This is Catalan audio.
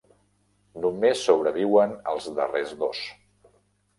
Només sobreviuen els darrers dos.